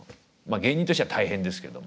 芸人としては大変ですけども。